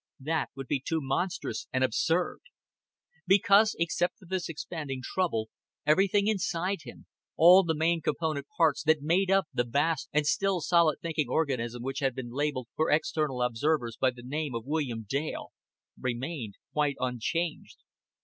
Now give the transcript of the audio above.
That would be too monstrous and absurd. Because, except for this expanding trouble, everything inside him, all the main component parts that made up the vast and still solid thinking organism which had been labeled for external observers by the name of William Dale, remained quite unchanged.